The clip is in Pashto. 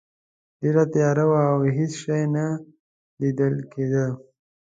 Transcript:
ډیره تیاره وه او هیڅ شی نه لیدل کیده.